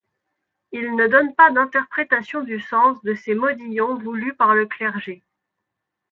Il ne donne pas d'interprétation du sens de ces modillons voulus par le clergé.